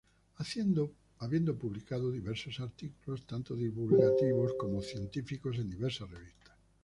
Habiendo publicado diversos artículos, tanto divulgativos como científicos, en diversas revistas.